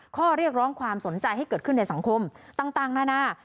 ข้อเรียกร้องความสนใจให้เกิดขึ้นในสังคมต่างหน้า